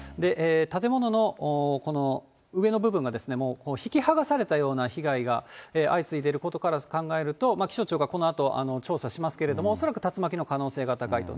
建物のこの上の部分が、もう引き剥がされたような被害が相次いでいることから考えると、気象庁がこのあと調査しますけれども、恐らく竜巻の可能性が高いと。